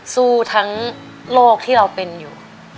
สู้ทั้งโลกที่เราเป็นอยู่